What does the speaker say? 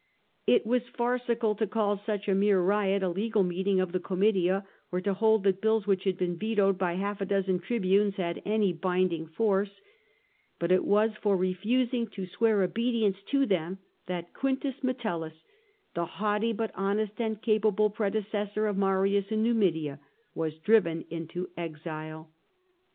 It was farcical to call such a mere riot a legal meeting of the Gomitia, or to hold that bills which had been vetoed by half a dozen tribunes had any binding force. But it was for refusing to swear obedience to them that Quintus Metellus, the haughty but honest and capable predecessor of Marius in Numidia, was driven into exile.